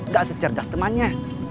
gak secerdas temannya